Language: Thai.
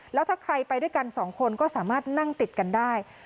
แล้วถ้าใครไปด้วยกันสองคนก็สามารถนั่งติดกันได้